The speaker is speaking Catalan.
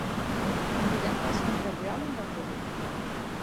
Vull anar a Sant Ferriol amb autobús.